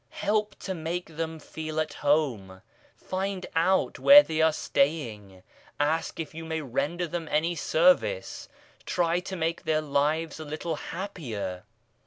Help to make them feel at home ; find out where they are staying, ask if you may render them any service ; try to make their lives a little happier.